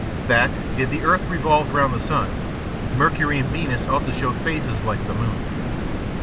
That, if the earth revolved round the sun, Mercury and Venus ought to show phases like the moon.